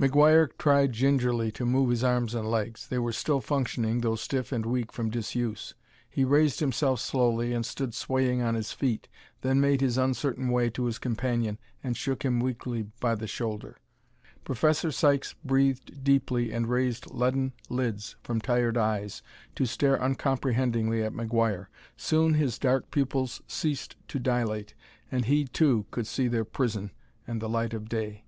McGuire tried gingerly to move his arms and legs; they were still functioning though stiff and weak from disuse. He raised himself slowly and stood swaying on his feet, then made his uncertain way to his companion and shook him weakly by the shoulder. Professor Sykes breathed deeply and raised leaden lids from tired eyes to stare uncomprehendingly at McGuire. Soon his dark pupils ceased to dilate, and he, too, could see their prison and the light of day.